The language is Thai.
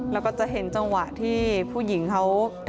แล้วก็จะเห็นจังหวะที่ผู้หญิงเขา